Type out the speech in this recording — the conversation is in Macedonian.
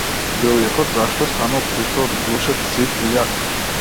Лилјакот зашто станал птица од глушец сив и јак.